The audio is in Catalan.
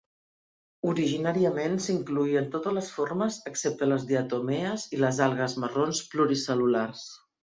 Originàriament s'incloïen totes les formes excepte les diatomees i les algues marrons pluricel·lulars.